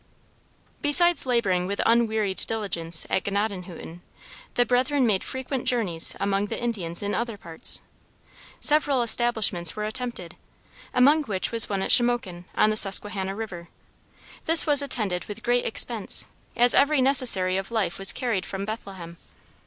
Besides laboring with unwearied diligence at Gnadenhutten, the brethren made frequent journeys among the Indians in other parts. Several establishments were attempted, among which one was at Shomoken, on the Susquehanna river. This was attended with great expense, as every necessary of life was carried from Bethlehem.